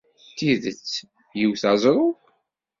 D tidet, iwt aẓru.